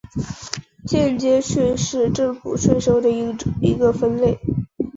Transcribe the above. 间接税是政府税收的一个分类。